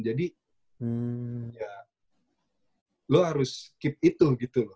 jadi ya lu harus keep itu gitu loh